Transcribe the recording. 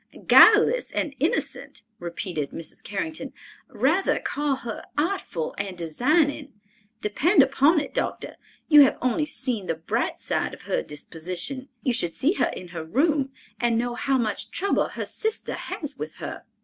"Guileless and innocent," repeated Mrs. Carrington; "rather call her artful and designing. Depend upon it, doctor, you have only seen the bright side of her disposition. You should see her in her room, and know how much trouble her sister has with her!"